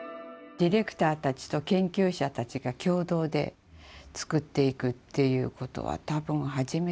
ディレクターたちと研究者たちが共同で作っていくっていうことは多分初めてだったんじゃないかしら。